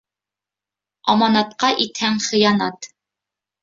Аманатҡа итһәң хыянат